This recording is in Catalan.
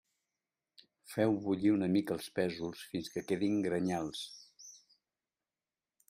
Feu bullir una mica els pèsols fins que quedin grenyals.